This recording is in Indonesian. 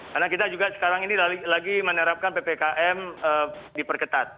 karena kita juga sekarang ini lagi menerapkan ppkm diperketat